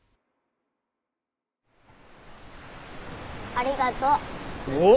ありがとう。おっ！